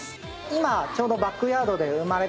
今ちょうど。